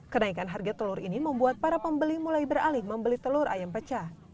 kenaikan harga telur ini membuat para pembeli mulai beralih membeli telur ayam pecah